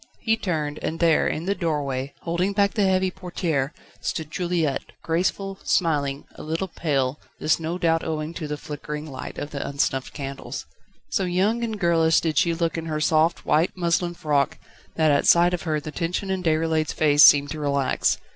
He turned, and there in the doorway, holding back the heavy portière, stood Juliette, graceful, smiling, a little pale, this no doubt owing to the flickering light of the unsnuffed candles. So young and girlish did she look in her soft, white muslin frock that at sight of her the tension in Déroulède's face seemed to relax.